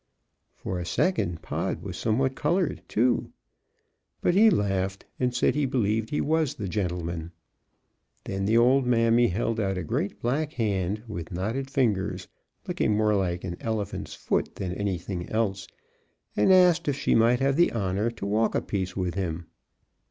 For a second Pod was somewhat colored, too; but he laughed, and said he believed he was the gentleman. Then the old mammy held out a great black hand, with knotted fingers, looking more like an elephant's foot than anything else, and asked if she might have the honor to walk a piece with him.